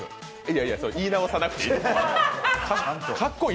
いやいや、それ言い直さなくていい。